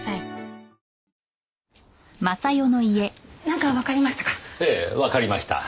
なんかわかりましたか？